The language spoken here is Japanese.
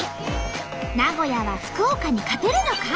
名古屋は福岡に勝てるのか？